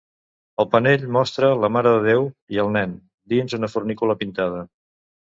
El panell mostra la Mare de Déu i el Nen dins una fornícula pintada.